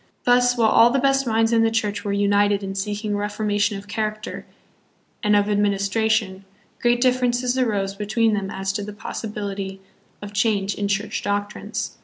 Thus, while all the best minds in the Church were united in seeking a reformation of character and of admin 122 THE PHILIPPINES. istration, great differences arose between them as to the possibility of change in Church doctrines.